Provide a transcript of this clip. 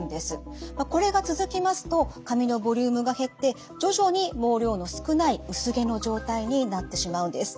これが続きますと髪のボリュームが減って徐々に毛量の少ない薄毛の状態になってしまうんです。